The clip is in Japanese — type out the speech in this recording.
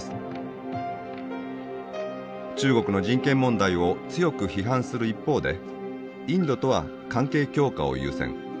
中国の人権問題を強く批判する一方でインドとは関係強化を優先。